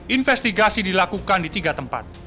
investigasi dilakukan di tiga tempat